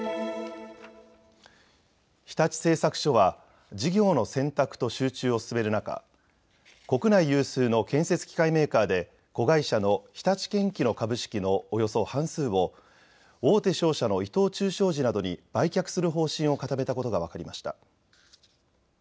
日立製作所は事業の選択と集中を進める中、国内有数の建設機械メーカーで子会社の日立建機の株式のおよそ半数を大手商社の伊藤忠商事などに売却する方針を固めたことが分かりました。